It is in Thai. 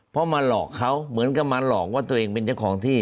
เพราะมาหลอกเขาเหมือนกับมาหลอกว่าตัวเองเป็นเจ้าของที่